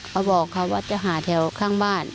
เขาบอกเขาว่าจะหาแถวข้างบ้าน